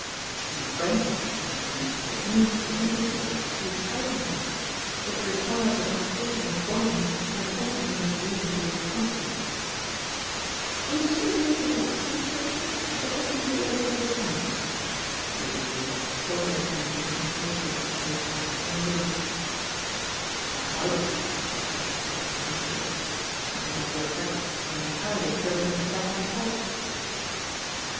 "To be frank. Aunt Cari)line, it means that the country side was too exciting for me. It requires a constitution of bronze and a temperament of re inforced concrete." T u^^'" ^m", '" 5'°"'' ^*y *°*«"^ 8«"8c» Richard, I shall possibly be able to understand you." Lady Drewitt folded her hands in her ample black silk lap and waited. "I doubt it," said Beresford pleasantly. "As a matter of fact I entirely fail to understand myself.'